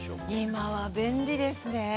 今は便利ですね。